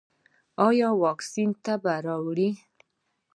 ایا واکسین تبه راوړي؟